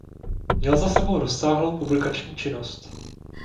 Měl za sebou rozsáhlou publikační činnost.